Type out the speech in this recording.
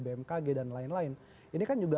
bmkg dan lain lain ini kan juga